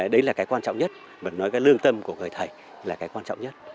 đấy là cái quan trọng nhất mà nói cái lương tâm của người thầy là cái quan trọng nhất